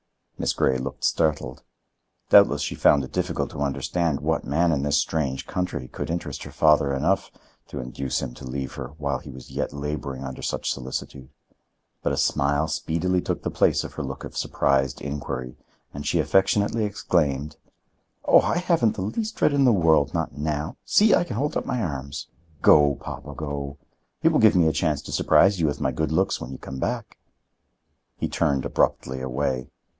Miss Grey looked startled. Doubtless she found it difficult to understand what man in this strange country could interest her father enough to induce him to leave her while he was yet laboring under such solicitude. But a smile speedily took the place of her look of surprised inquiry and she affectionately exclaimed: "Oh, I haven't the least dread in the world, not now. See, I can hold up my arms. Go, papa, go; it will give me a chance to surprise you with my good looks when you come back." He turned abruptly away.